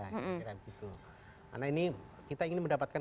karena ini kita ingin mendapatkan